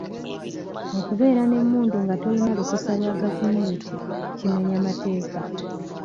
Okubeera n'emmundu nga toyina lukusa lwa gavumenti kimenya mateeka.